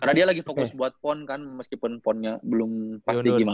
karena dia lagi fokus buat pon kan meskipun ponnya belum pasti gimana